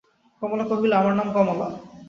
কমলা কহিল, আমার নাম কমলা।